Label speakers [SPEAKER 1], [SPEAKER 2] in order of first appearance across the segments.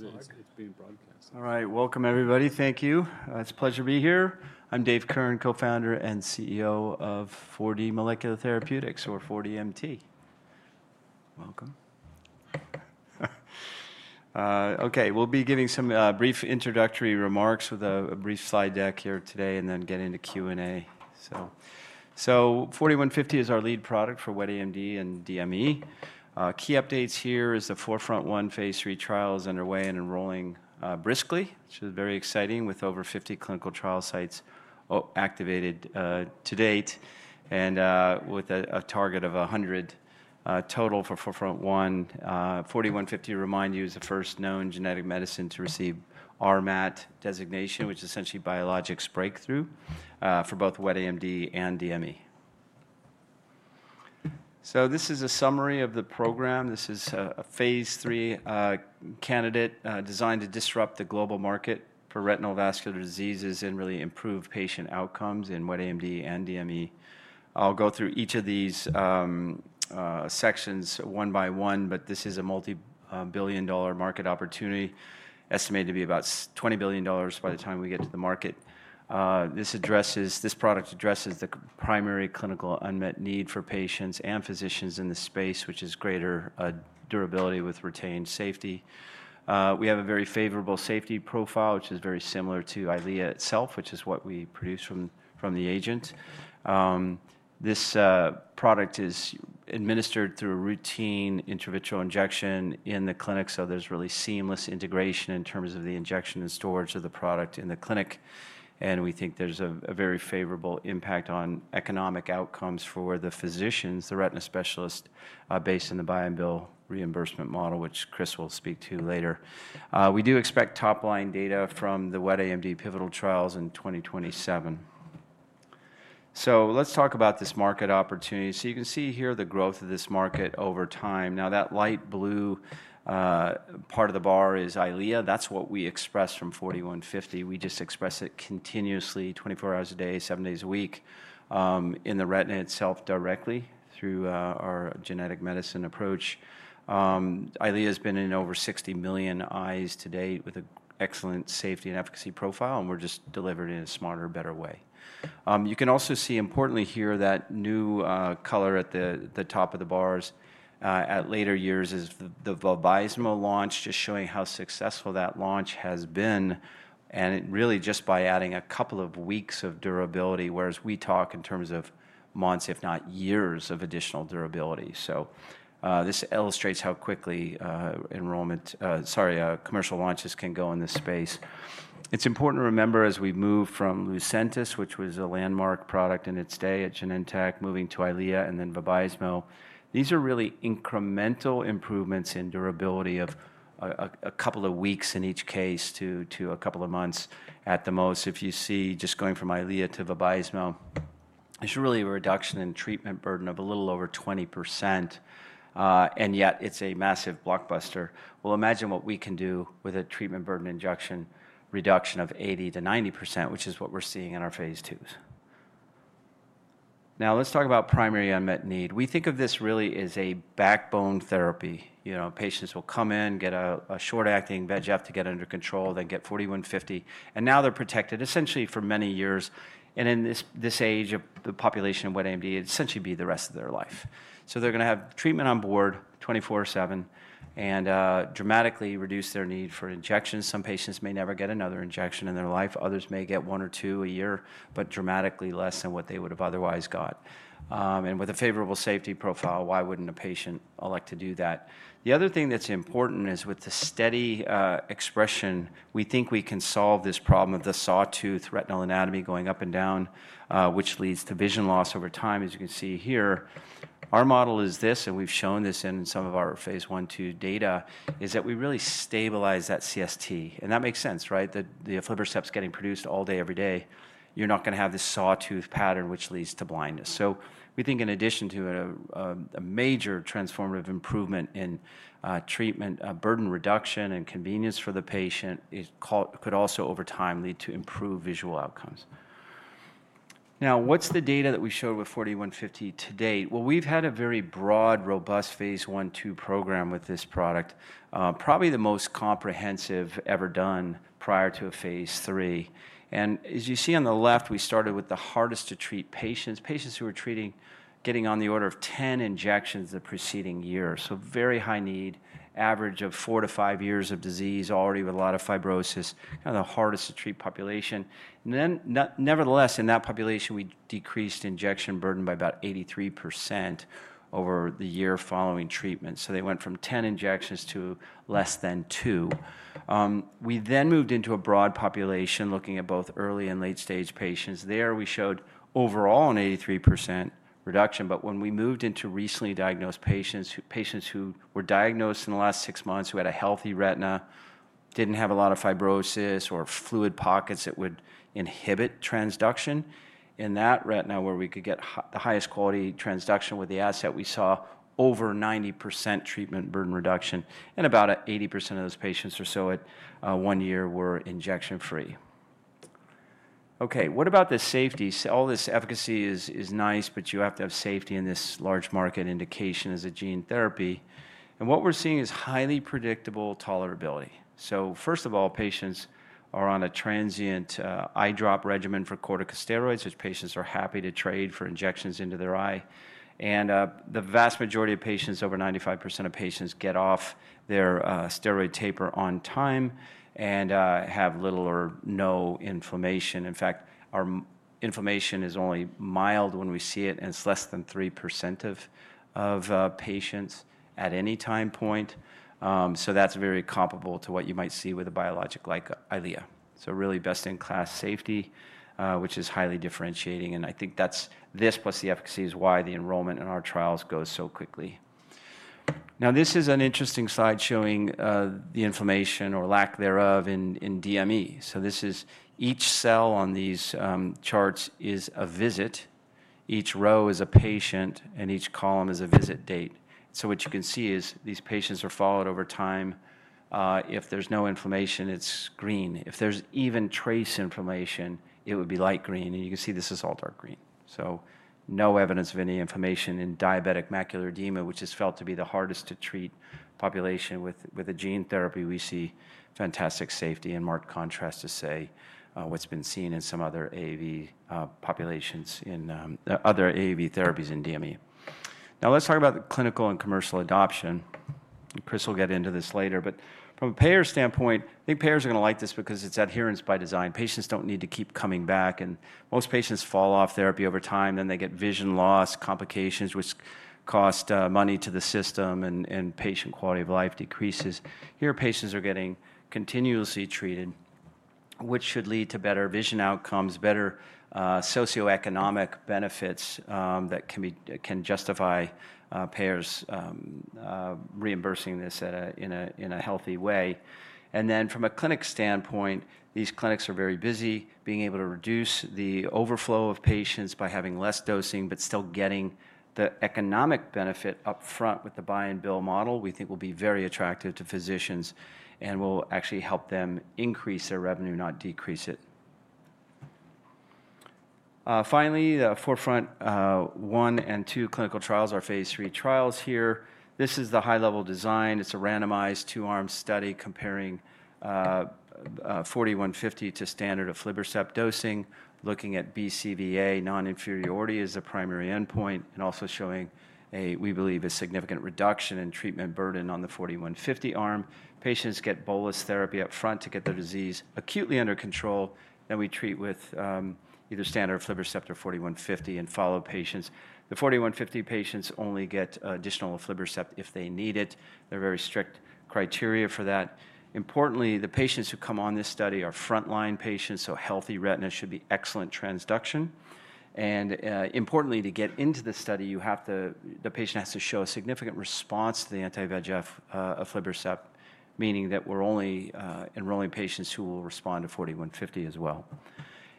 [SPEAKER 1] Because it's being broadcast.
[SPEAKER 2] All right, welcome everybody. Thank you. It's a pleasure to be here. I'm David Kirn, co-founder and CEO of 4D Molecular Therapeutics, or 4DMT.
[SPEAKER 1] Welcome.
[SPEAKER 2] Okay, we'll be giving some brief introductory remarks with a brief slide deck here today and then get into Q&A. 4D-150 is our lead product for wet AMD and DME. Key updates here are the Forefront One phase III trials underway and enrolling briskly, which is very exciting, with over 50 clinical trial sites activated to date, and with a target of 100 total for Forefront One. 4D-150, to remind you, is the first known genetic medicine to receive RMAT designation, which is essentially biologics breakthrough for both wet AMD and DME. This is a summary of the program. This is a phase III candidate designed to disrupt the global market for retinal vascular diseases and really improve patient outcomes in wet AMD and DME. I'll go through each of these sections one by one, but this is a multi-billion dollar market opportunity estimated to be about $20 billion by the time we get to the market. This product addresses the primary clinical unmet need for patients and physicians in the space, which is greater durability with retained safety. We have a very favorable safety profile, which is very similar to Eylea itself, which is what we produce from the agent. This product is administered through a routine intravitreal injection in the clinic, so there's really seamless integration in terms of the injection and storage of the product in the clinic. We think there's a very favorable impact on economic outcomes for the physicians, the retina specialists based on the buy-and-bill reimbursement model, which Chris will speak to later. We do expect top-line data from the wet AMD pivotal trials in 2027. Let's talk about this market opportunity. You can see here the growth of this market over time. Now, that light blue part of the bar is Eylea. That's what we express from 4D-150. We just express it continuously, 24 hours a day, seven days a week in the retina itself directly through our genetic medicine approach. Eylea has been in over 60 million eyes to date with an excellent safety and efficacy profile, and we're just delivering in a smarter, better way. You can also see importantly here that new color at the top of the bars at later years is the Vabysmo launch, just showing how successful that launch has been. Really, just by adding a couple of weeks of durability, whereas we talk in terms of months, if not years, of additional durability. This illustrates how quickly commercial launches can go in this space. It's important to remember as we move from Lucentis, which was a landmark product in its day at Genentech, moving to Eylea and then Vabysmo, these are really incremental improvements in durability of a couple of weeks in each case to a couple of months at the most. If you see just going from Eylea to Vabysmo, it's really a reduction in treatment burden of a little over 20%, and yet it's a massive blockbuster. Imagine what we can do with a treatment burden injection reduction of 80-90%, which is what we're seeing in our phase II trials. Now, let's talk about primary unmet need. We think of this really as a backbone therapy. Patients will come in, get a short-acting VEGF to get under control, then get 4D-150, and now they're protected essentially for many years. In this age of the population of wet AMD, it'd essentially be the rest of their life. They are going to have treatment on board 24/7 and dramatically reduce their need for injections. Some patients may never get another injection in their life. Others may get one or two a year, but dramatically less than what they would have otherwise got. With a favorable safety profile, why wouldn't a patient elect to do that? The other thing that's important is with the steady expression, we think we can solve this problem of the sawtooth retinal anatomy going up and down, which leads to vision loss over time. As you can see here, our model is this, and we've shown this in some of our phase I-II data, is that we really stabilize that CST. And that makes sense, right? The aflibercept's getting produced all day, every day, you're not going to have this sawtooth pattern, which leads to blindness. So we think in addition to a major transformative improvement in treatment, burden reduction and convenience for the patient could also over time lead to improved visual outcomes. Now, what's the data that we showed with 4D-150 to date? We've had a very broad, robust phase I-II program with this product, probably the most comprehensive ever done prior to a phase III. As you see on the left, we started with the hardest to treat patients, patients who were getting on the order of 10 injections the preceding year. Very high need, average of four to five years of disease already with a lot of fibrosis, kind of the hardest to treat population. Nevertheless, in that population, we decreased injection burden by about 83% over the year following treatment. They went from 10 injections to less than two. We then moved into a broad population looking at both early and late-stage patients. There we showed overall an 83% reduction, but when we moved into recently diagnosed patients, patients who were diagnosed in the last six months who had a healthy retina, did not have a lot of fibrosis or fluid pockets that would inhibit transduction in that retina where we could get the highest quality transduction with the asset, we saw over 90% treatment burden reduction. And about 80% of those patients or so at one year were injection-free. Okay, what about the safety? All this efficacy is nice, but you have to have safety in this large market indication as a gene therapy. What we are seeing is highly predictable tolerability. First of all, patients are on a transient eye drop regimen for corticosteroids, which patients are happy to trade for injections into their eye. The vast majority of patients, over 95% of patients, get off their steroid taper on time and have little or no inflammation. In fact, our inflammation is only mild when we see it, and it's less than 3% of patients at any time point. That is very comparable to what you might see with a biologic like Eylea. Really best-in-class safety, which is highly differentiating. I think this plus the efficacy is why the enrollment in our trials goes so quickly. This is an interesting slide showing the inflammation or lack there of in DME. Each cell on these charts is a visit. Each row is a patient, and each column is a visit date. What you can see is these patients are followed over time. If there's no inflammation, it's green. If there's even trace inflammation, it would be light green. You can see this is all dark green. No evidence of any inflammation in diabetic macular edema, which is felt to be the hardest to treat population with a gene therapy. We see fantastic safety and marked contrast to say what has been seen in some other AV populations in other AV therapies in DME. Now, let's talk about the clinical and commercial adoption. Chris will get into this later. From a payer standpoint, I think payers are going to like this because it is adherence by design. Patients do not need to keep coming back. Most patients fall off therapy over time. They get vision loss, complications, which cost money to the system, and patient quality of life decreases. Here, patients are getting continuously treated, which should lead to better vision outcomes, better socioeconomic benefits that can justify payers reimbursing this in a healthy way. From a clinic standpoint, these clinics are very busy being able to reduce the overflow of patients by having less dosing, but still getting the economic benefit upfront with the buy-and-bill model. We think will be very attractive to physicians and will actually help them increase their revenue, not decrease it. Finally, the Forefront One and Two clinical trials are phase III trials here. This is the high-level design. It's a randomized two-arm study comparing 4D-150 to standard aflibercept dosing, looking at BCVA, non-inferiority as the primary endpoint, and also showing, we believe, a significant reduction in treatment burden on the 4D-150 arm. Patients get bolus therapy upfront to get the disease acutely under control. We treat with either standard aflibercept or 4D-150 and follow patients. The 4D-150 patients only get additional aflibercept if they need it. There are very strict criteria for that. Importantly, the patients who come on this study are frontline patients, so healthy retina should be excellent transduction. Importantly, to get into the study, the patient has to show a significant response to the anti-VEGF aflibercept, meaning that we're only enrolling patients who will respond to 4D-150 as well.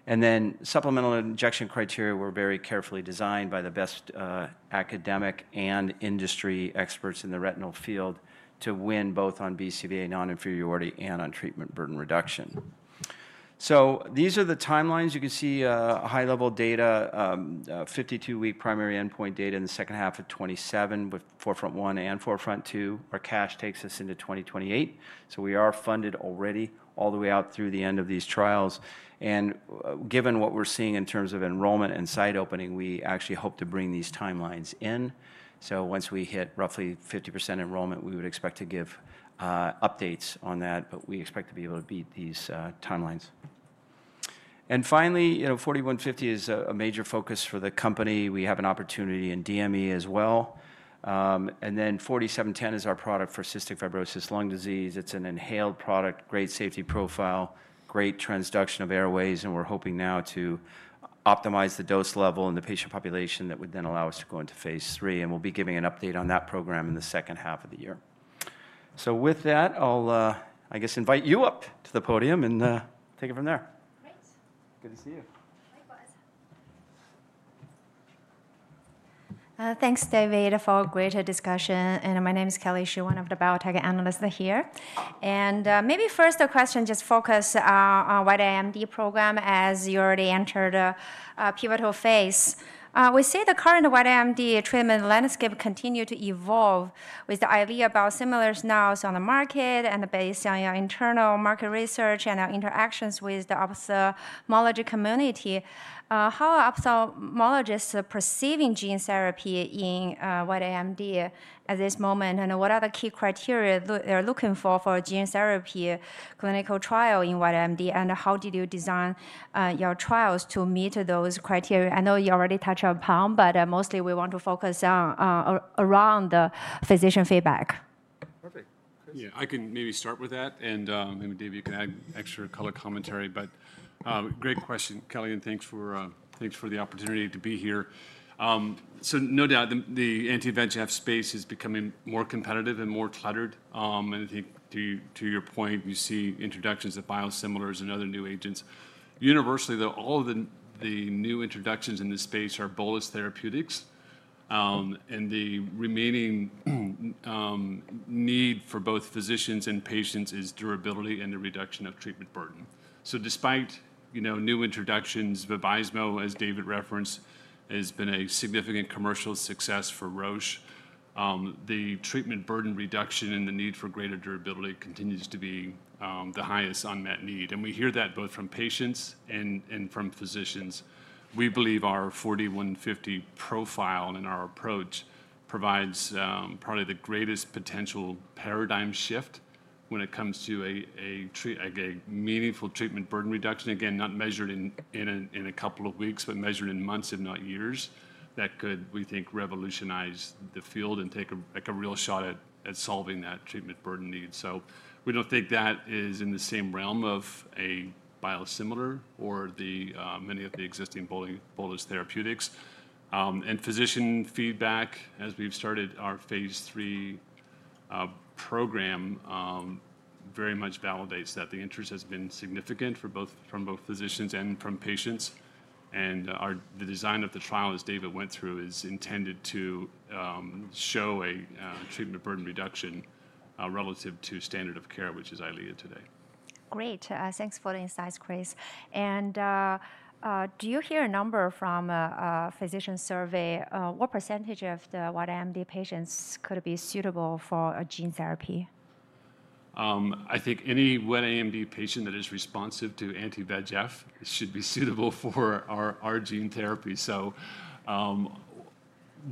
[SPEAKER 2] Supplemental injection criteria were very carefully designed by the best academic and industry experts in the retinal field to win both on BCVA, non-inferiority, and on treatment burden reduction. These are the timelines. You can see high-level data, 52-week primary endpoint data in the second half of 2027 with Forefront One and Forefront Two. Our cash takes us into 2028. We are funded already all the way out through the end of these trials. Given what we're seeing in terms of Enrollment and site opening, we actually hope to bring these timelines in. Once we hit roughly 50% enrollment, we would expect to give updates on that, but we expect to be able to beat these timelines. Finally, 4D-150 is a major focus for the company. We have an opportunity in DME as well. 4D-710 is our product for cystic fibrosis lung disease. It's an inhaled product, great safety profile, great transduction of airways. We're hoping now to optimize the dose level in the patient population that would then allow us to go into phase III. We'll be giving an update on that program in the second half of the year. With that, I'll, I guess, invite you up to the podium and take it from there. Great. Good to see you.
[SPEAKER 3] Thanks, David, for a great discussion. My name is Kelly Xu, one of the biotech analysts here. Maybe first a question just focused on the wet AMD program as you already entered pivotal phase. We see the current wet AMD treatment landscape continue to evolve with the idea about similar snows on the market, and based on your internal market research and our interactions with the ophthalmology community, how are ophthalmologists perceiving gene therapy in wet AMD at this moment? What are the key criteria they're looking for for gene therapy clinical trial in wet AMD? How did you design your trials to meet those criteria? I know you already touched upon it, but mostly we want to focus around the physician feedback.
[SPEAKER 2] Perfect.
[SPEAKER 4] Yeah, I can maybe start with that. And maybe David, you can add extra color commentary. But great question, Kelly, and thanks for the opportunity to be here. No doubt the anti-VEGF space is becoming more competitive and more cluttered. I think to your point, you see introductions of biosimilars and other new agents. Universally, though, all of the new introductions in this space are bolus therapeutics. The remaining need for both physicians and patients is durability and the reduction of treatment burden. Despite new introductions, Vabysmo, as David referenced, has been a significant commercial success for Roche. The treatment burden reduction and the need for greater durability continues to be the highest unmet need. We hear that both from patients and from physicians. We believe our 4D-150 profile and our approach provides probably the greatest potential paradigm shift when it comes to a meaningful treatment burden reduction. Again, not measured in a couple of weeks, but measured in months, if not years, that could, we think, revolutionize the field and take a real shot at solving that treatment burden need. We do not think that is in the same realm of a biosimilar or many of the existing bolus therapeutics. Physician feedback, as we have started our phase III program, very much validates that. The interest has been significant from both physicians and from patients. The design of the trial, as David went through, is intended to show a treatment burden reduction relative to standard of care, which is Eylea today.
[SPEAKER 3] Great. Thanks for the insights, Chris. Do you hear a number from a physician survey? What percentage of the wet AMD patients could be suitable for a gene therapy?
[SPEAKER 4] I think any wet AMD patient that is responsive to anti-VEGF should be suitable for our gene therapy.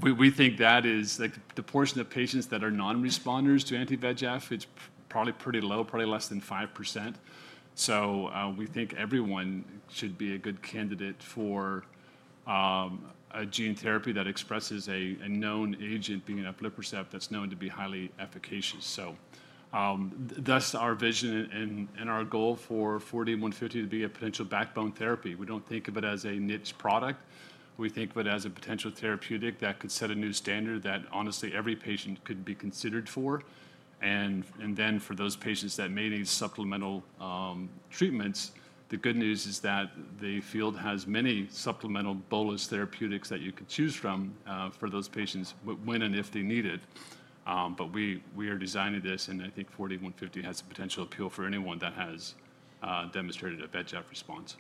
[SPEAKER 4] We think that the portion of patients that are non-responders to anti-VEGF is probably pretty low, probably less than 5%. We think everyone should be a good candidate for a gene therapy that expresses a known agent, being aflibercept, that's known to be highly efficacious. Thus, our vision and our goal for 4D-150 is to be a potential backbone therapy. We do not think of it as a niche product. We think of it as a potential therapeutic that could set a new standard that honestly every patient could be considered for. For those patients that may need supplemental treatments, the good news is that the field has many supplemental bolus therapeutics that you could choose from for those patients when and if they need it. We are designing this, and I think 4D-150 has a potential appeal for anyone that has demonstrated a VEGF response.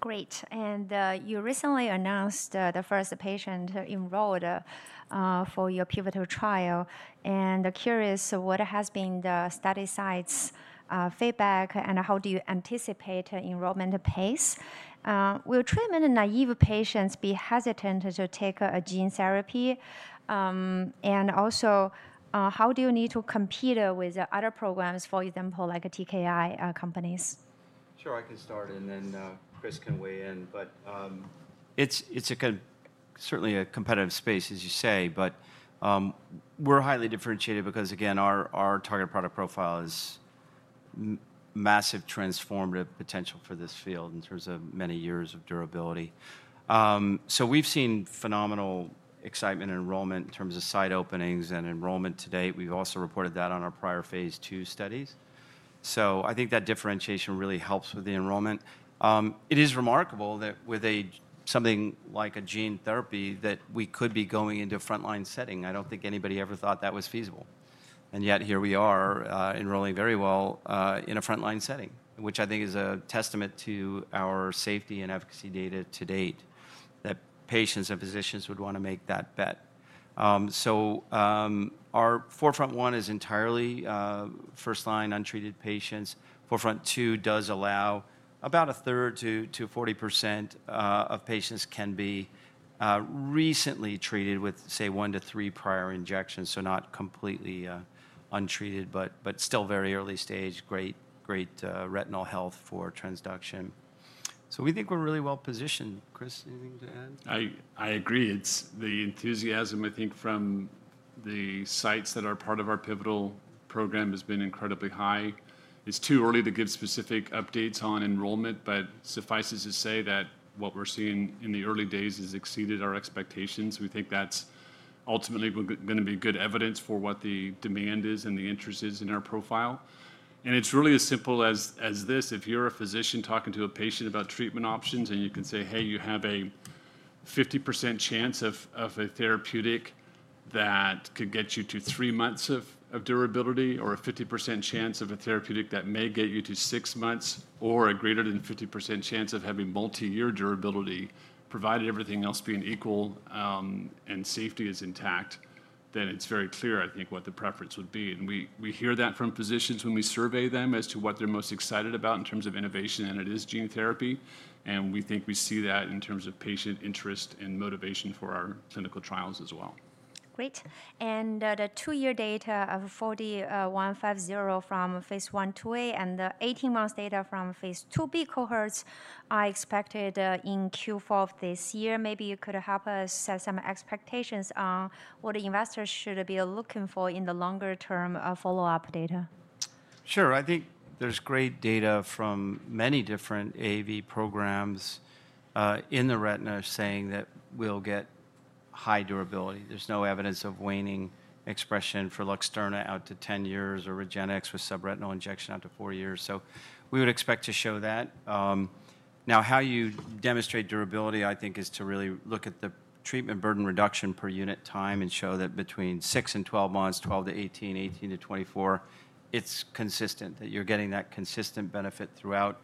[SPEAKER 3] Great. You recently announced the first patient enrolled for your pivotal trial. Curious, what has been the study site's feedback, and how do you anticipate enrollment pace? Will treatment in naive patients be hesitant to take a gene therapy? Also, how do you need to compete with other programs, for example, like TKI companies?
[SPEAKER 2] Sure, I can start, and then Chris can weigh in. It is certainly a competitive space, as you say. We are highly differentiated because, again, our target product profile has massive transformative potential for this field in terms of many years of durability. We have seen phenomenal excitement and enrollment in terms of site openings and enrollment to date. We have also reported that on our prior phase II studies. I think that differentiation really helps with the enrollment. It is remarkable that with something like a gene therapy that we could be going into a frontline setting. I do not think anybody ever thought that was feasible. Yet here we are enrolling very well in a frontline setting, which I think is a testament to our safety and efficacy data to date that patients and physicians would want to make that bet. Our Forefront One is entirely first-line untreated patients. Forefront Two does allow about a third to 40% of patients can be recently treated with, say, one to three prior injections, so not completely untreated, but still very early stage, great retinal health for transduction. We think we're really well positioned. Chris, anything to add?
[SPEAKER 4] I agree. The Enthusiasm, I think, from the sites that are part of our pivotal program has been incredibly high. It's too early to give specific updates on enrollment, but suffice it to say that what we're seeing in the early days has exceeded our expectations. We think that's ultimately going to be good evidence for what the demand is and the interest is in our profile. It's really as simple as this. If you're a physician talking to a patient about treatment options, and you can say, "Hey, you have a 50% chance of a therapeutic that could get you to three months of durability," or a 50% chance of a therapeutic that may get you to six months, or a greater than 50% chance of having multi-year durability, provided everything else being equal and safety is intact, then it's very clear, I think, what the preference would be. We hear that from physicians when we survey them as to what they're most excited about in terms of innovation, and it is gene therapy. We think we see that in terms of patient interest and motivation for our clinical trials as well.
[SPEAKER 3] Great. The two-year data of 4D-150 from phase I to II and the 18-month data from phase IIB cohorts are expected in Q4 of this year. Maybe you could help us set some expectations on what investors should be looking for in the longer-term follow-up data.
[SPEAKER 2] Sure. I think there's great data from many different AV programs in the retina saying that we'll get high durability. There's no evidence of waning expression for Luxturna out to 10 years or Regenex with subretinal injection out to four years. I think we would expect to show that. Now, how you demonstrate durability, I think, is to really look at the treatment burden reduction per unit time and show that between 6 and 12 months, 12 to 18, 18 to 24, it's consistent that you're getting that consistent benefit throughout.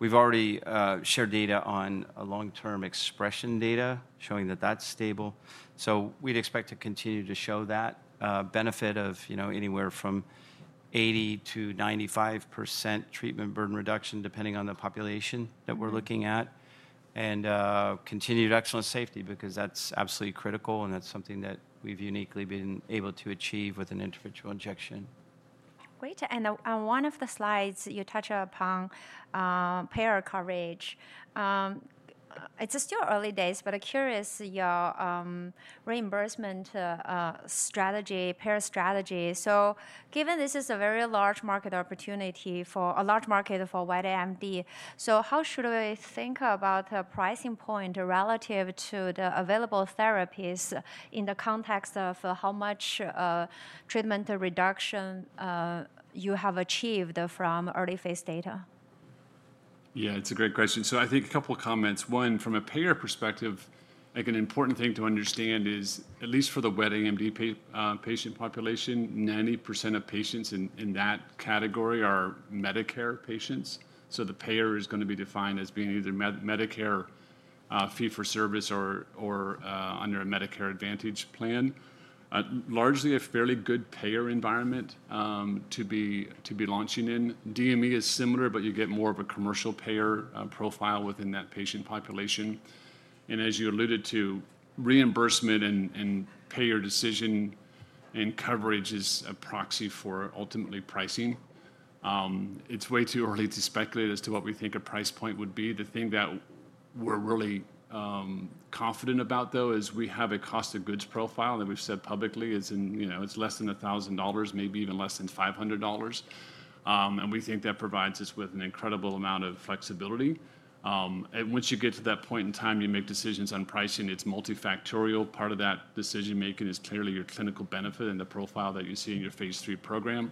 [SPEAKER 2] We've already shared data on long-term expression data showing that that's stable. I think we'd expect to continue to show that benefit of anywhere from 80-95% treatment burden reduction depending on the population that we're looking at and continued excellent safety because that's absolutely critical, and that's something that we've uniquely been able to achieve with an interventional injection.
[SPEAKER 3] Great. On one of the slides, you touched upon payer coverage. It's still early days, but I'm curious your reimbursement strategy, payer strategy. Given this is a very large market opportunity for a large market for wet AMD, how should we think about the pricing point relative to the available therapies in the context of how much treatment reduction you have achieved from early phase data?
[SPEAKER 4] Yeah, it's a great question. I think a couple of comments. One, from a payer perspective, an important thing to understand is, at least for the wet AMD patient population, 90% of patients in that category are Medicare patients. The payer is going to be defined as being either Medicare fee-for-service or under a Medicare Advantage plan. Largely, a fairly good payer environment to be launching in. DME is similar, but you get more of a commercial payer profile within that patient population. As you alluded to, reimbursement and payer decision and coverage is a proxy for ultimately pricing. It's way too early to speculate as to what we think a price point would be. The thing that we're really confident about, though, is we have a cost of goods profile that we've said publicly is less than $1,000, maybe even less than $500. We think that provides us with an incredible amount of flexibility. Once you get to that point in time you make decisions on pricing, it is multifactorial. Part of that decision-making is clearly your clinical benefit and the profile that you see in your phase III program,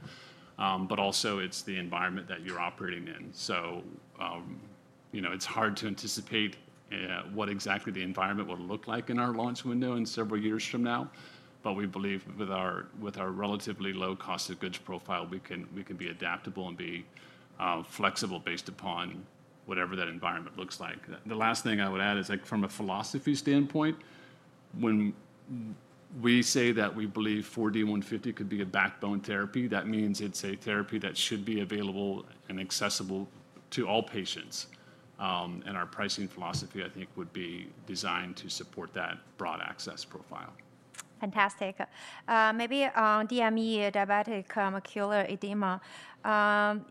[SPEAKER 4] but also it is the environment that you are operating in. It is hard to anticipate what exactly the environment will look like in our launch window and several years from now. We believe with our relatively low cost of goods profile, we can be adaptable and be flexible based upon whatever that environment looks like. The last thing I would add is from a philosophy standpoint, when we say that we believe 4D Molecular Therapeutics could be a backbone therapy, that means it is a therapy that should be available and accessible to all patients. Our pricing philosophy, I think, would be designed to support that broad access profile.
[SPEAKER 3] Fantastic. Maybe on DME, diabetic macular edema.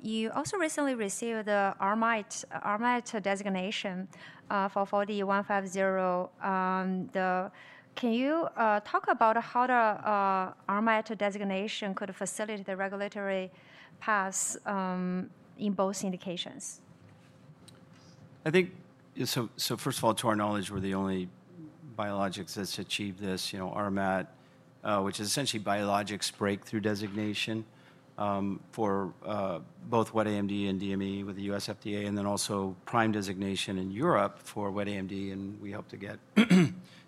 [SPEAKER 3] You also recently received the RMAT designation for 4D-150. Can you talk about how the RMAT designation could facilitate the regulatory paths in both indications?
[SPEAKER 2] I think, so first of all, to our knowledge, we're the only biologics that's achieved this. RMAT, which is essentially Biologics Breakthrough Designation for both wet AMD and DME with the U.S. FDA, and then also PRIME designation in Europe for wet AMD, and we helped to get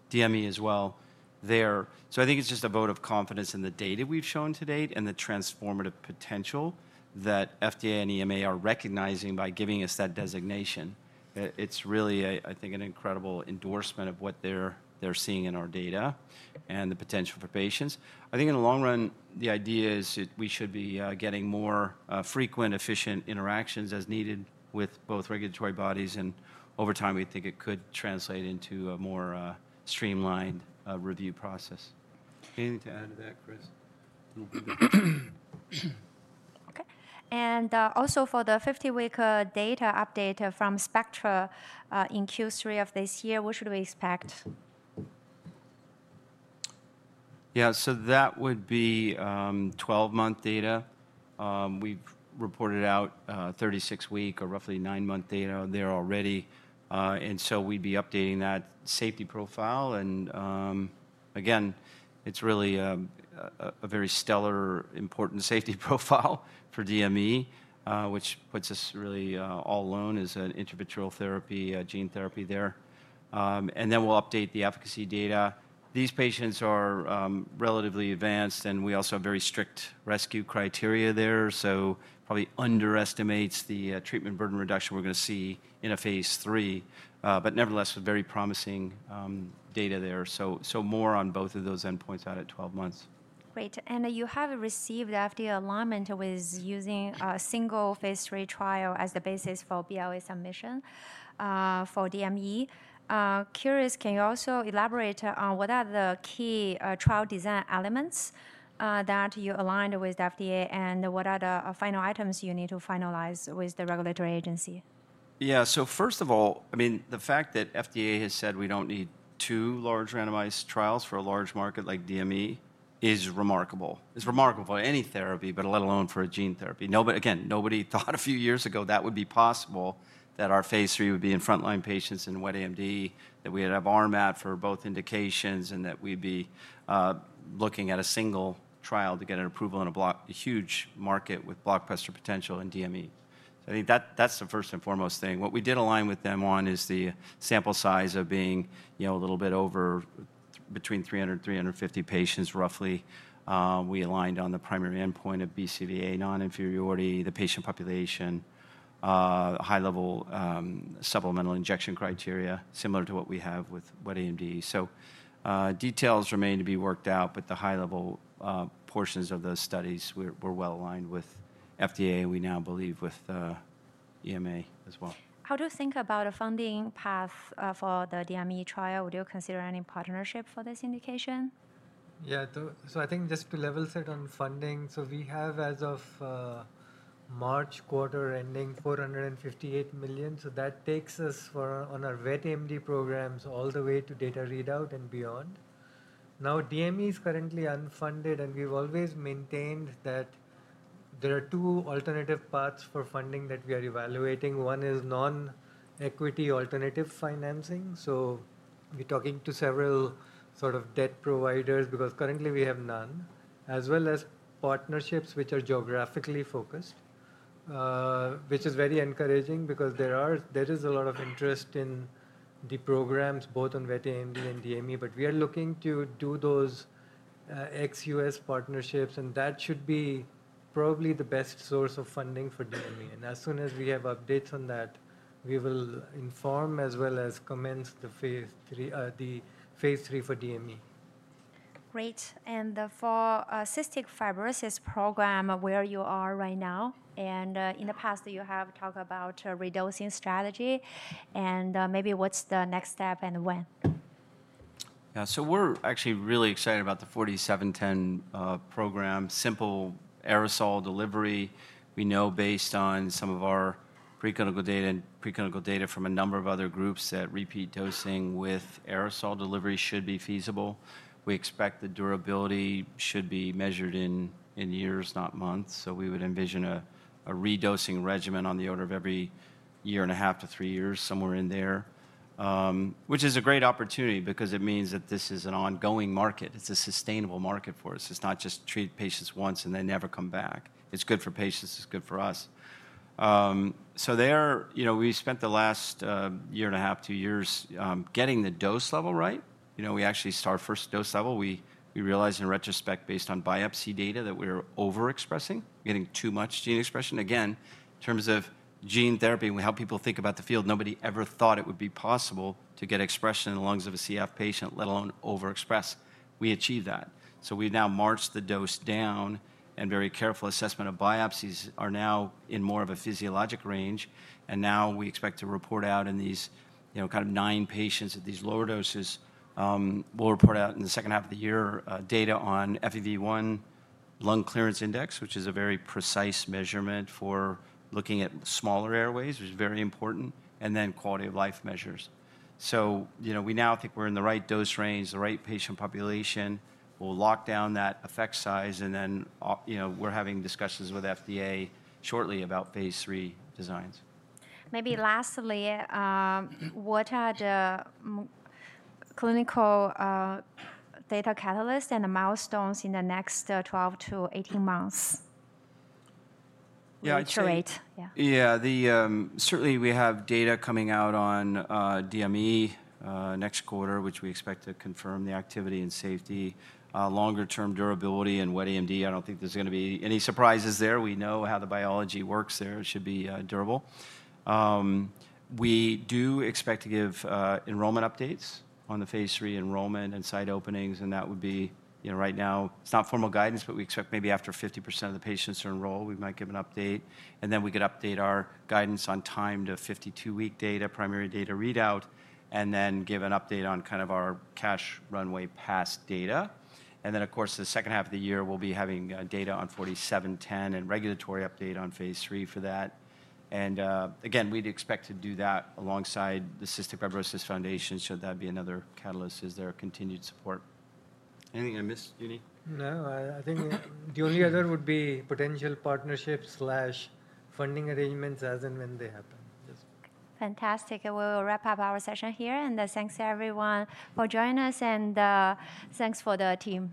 [SPEAKER 2] DME as well there. I think it's just a vote of confidence in the data we've shown to date and the transformative potential that FDA and EMA are recognizing by giving us that designation. It's really, I think, an incredible endorsement of what they're seeing in our data and the potential for patients. I think in the long run, the idea is that we should be getting more frequent, efficient interactions as needed with both regulatory bodies. Over time, we think it could translate into a more streamlined review process. Anything to add to that, Chris?
[SPEAKER 3] Okay. Also, for the 50-week data update from Spectra in Q3 of this year, what should we expect?
[SPEAKER 2] Yeah, so that would be 12-month data. We've reported out 36-week or roughly 9-month data there already. We'd be updating that safety profile. Again, it's really a very stellar, important safety profile for DME, which puts us really all alone as an interventional therapy, gene therapy there. We'll update the efficacy data. These patients are relatively advanced, and we also have very strict rescue criteria there. Probably underestimates the treatment burden reduction we're going to see in a phase III. Nevertheless, very promising data there. More on both of those endpoints out at 12 months.
[SPEAKER 3] Great. You have received FDA alignment with using a single phase III trial as the basis for BLA submission for DME. Curious, can you also elaborate on what are the key trial design elements that you aligned with FDA and what are the final items you need to finalize with the regulatory agency?
[SPEAKER 2] Yeah, so first of all, I mean, the fact that FDA has said we don't need two large randomized trials for a large market like DME is remarkable. It's remarkable for any therapy, but let alone for a gene therapy. Again, nobody thought a few years ago that would be possible that our phase III would be in frontline patients in wet AMD, that we would have RMAT for both indications, and that we'd be looking at a single trial to get an approval in a huge market with blockbuster potential in DME. I think that's the first and foremost thing. What we did align with them on is the sample size of being a little bit over between 300 and 350 patients roughly. We aligned on the primary endpoint of BCVA, non-inferiority, the patient population, high-level supplemental injection criteria, similar to what we have with wet AMD. Details remain to be worked out, but the high-level portions of those studies were well aligned with FDA, and we now believe with EMA as well.
[SPEAKER 3] How do you think about the funding path for the DME trial? Do you consider any partnership for this indication? Yeah, so I think just to level set on funding. We have, as of March quarter ending, $458 million. That takes us on our wet AMD programs all the way to data readout and beyond. Now, DME is currently unfunded, and we've always maintained that there are two alternative paths for funding that we are evaluating. One is non-equity alternative financing. We're talking to several sort of debt providers because currently we have none, as well as partnerships which are geographically focused, which is very encouraging because there is a lot of interest in the programs, both on wet AMD and DME. We are looking to do those ex-U.S. partnerships, and that should be probably the best source of funding for DME. As soon as we have updates on that, we will inform as well as commence the phase III for DME. Great. For cystic fibrosis program, where you are right now? In the past, you have talked about reducing strategy. Maybe what's the next step and when?
[SPEAKER 2] Yeah, so we're actually really excited about the 4D-710 program, simple aerosol delivery. We know based on some of our preclinical data and preclinical data from a number of other groups that repeat dosing with aerosol delivery should be feasible. We expect the durability should be measured in years, not months. We would envision a redosing regimen on the order of every year and a half to three years, somewhere in there, which is a great opportunity because it means that this is an ongoing market. It's a sustainable market for us. It's not just treat patients once and then never come back. It's good for patients. It's good for us. We spent the last year and a half, two years getting the dose level right. We actually saw our first dose level. We realized in retrospect based on biopsy data that we were Overexpressing, getting too much gene expression. Again, in terms of gene therapy, we help people think about the field. Nobody ever thought it would be possible to get expression in the lungs of a CF patient, let alone Overexpress. We achieved that. We have now marched the dose down, and very careful assessment of biopsies are now in more of a physiologic range. We expect to report out in these kind of nine patients at these lower doses. We will report out in the second half of the year data on FEV1, lung clearance index, which is a very precise measurement for looking at smaller airways, which is very important, and then quality of life measures. We now think we are in the right dose range, the right patient population. We'll lock down that effect size, and then we're having discussions with FDA shortly about phase III designs.
[SPEAKER 3] Maybe lastly, what are the Clinical Data Catalysts and the milestones in the next 12 to 18 months?
[SPEAKER 2] Yeah, it's great.
[SPEAKER 3] Yeah.
[SPEAKER 2] Yeah, certainly we have data coming out on DME next quarter, which we expect to confirm the activity and safety. Longer-term durability in wet AMD, I don't think there's going to be any surprises there. We know how the biology works there. It should be durable. We do expect to give enrollment updates on the phase III enrollment and site openings, and that would be right now, it's not formal guidance, but we expect maybe after 50% of the patients are enrolled, we might give an update. We could update our guidance on time to 52-week data, primary data readout, and then give an update on kind of our cash runway past data. Of course, the second half of the year, we'll be having data on 4D-710 and regulatory update on phase III for that. We'd expect to do that alongside the Cystic Fibrosis Foundation, so that'd be another Catalyst as their continued support. Anything I missed, Jannie? No, I think the only other would be potential partnerships/funding arrangements as and when they happen.
[SPEAKER 3] Fantastic. We'll wrap up our session here, and thanks everyone for joining us, and thanks for the team.